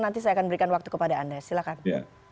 nanti saya akan berikan waktu kepada anda silahkan